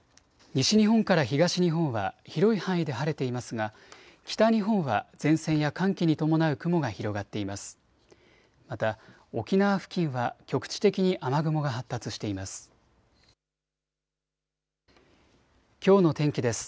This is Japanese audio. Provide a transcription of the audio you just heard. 西日本から東日本は広い範囲で晴れていますが北日本は前線や寒気に伴う雲が広がっています。